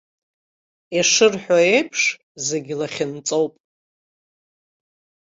Ишырҳәо еиԥш, зегьы лахьынҵоуп.